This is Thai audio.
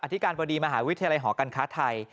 ธิการบดีมหาวิทยาลัยหอการค้าไทย